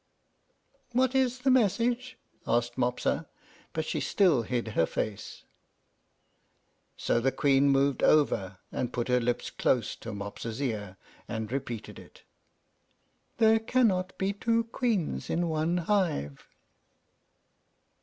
"What is the message?" asked Mopsa; but she still hid her face. So the Queen moved over, and put her lips close to Mopsa's ear, and repeated it: "There cannot be two Queens in one hive."